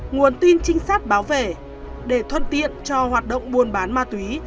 nguồn tin trinh sát báo về để thuận tiện cho hoạt động buôn bán ma túy